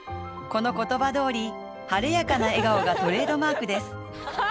この言葉どおり、晴れやかな笑顔がトレードマークです。